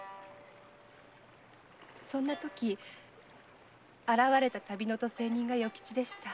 そんなとき現れた旅の渡世人が与吉でした。